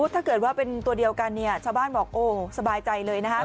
ถ้าเกิดว่าเป็นตัวเดียวกันเนี่ยชาวบ้านบอกโอ้สบายใจเลยนะครับ